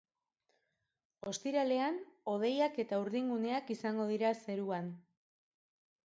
Ostiralean hodeiak eta urdinguneak izango dira zeruan.